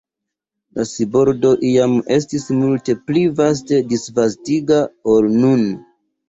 La subordo iam estis multe pli vaste disvastigita ol nun.